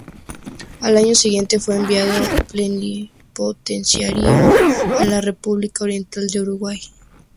Al año siguiente fue enviado plenipotenciario a la República Oriental del Uruguay.